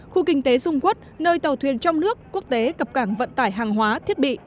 khu kinh tế dung quốc nơi tàu thuyền trong nước quốc tế cập cảng vận tải hàng hóa thiết bị